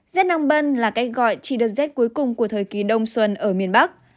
dết năng bân là cách gọi chỉ đợt dết cuối cùng của thời kỳ đông xuân ở miền bắc